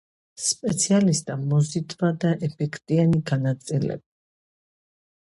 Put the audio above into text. სპეციალისტთა მოზიდვა და ეფექტიანი განაწილება